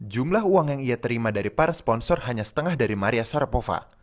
jumlah uang yang ia terima dari para sponsor hanya setengah dari maria sarapova